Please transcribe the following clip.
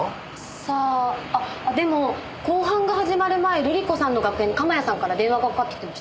さああっあっでも後半が始まる前瑠里子さんの楽屋に鎌谷さんから電話がかかってきてましたよ。